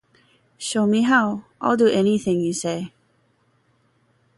Show me how; I'll do anything you say.